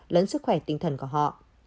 lấn sức khỏe tinh thần của họ